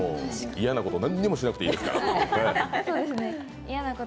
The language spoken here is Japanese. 嫌なこと何もしなくていいですから。